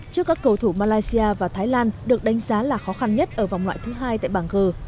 trước các cầu thủ malaysia và thái lan được đánh giá là khó khăn nhất ở vòng loại thứ hai tại bảng g